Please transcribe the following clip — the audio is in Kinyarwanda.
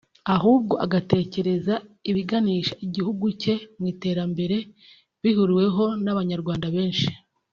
ahubwo agatekereza ibiganisha igihugu cye mu iterambere bihuriweho n’abanyarwanda benshi